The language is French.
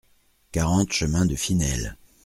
quarante chemin de Finelle